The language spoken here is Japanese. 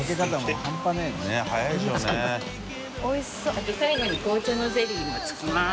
あと最後に紅茶のゼリーも付きます。